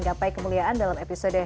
gapai kemuliaan dalam episode